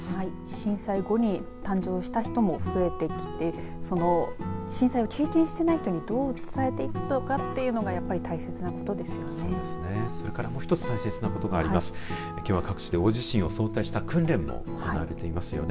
震災後に誕生した人も増えてきて震災を経験していない人にどう伝えていくのかというのがやっぱり大切なことですよね。